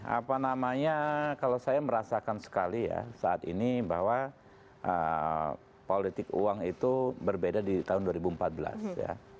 apa namanya kalau saya merasakan sekali ya saat ini bahwa politik uang itu berbeda di tahun dua ribu empat belas ya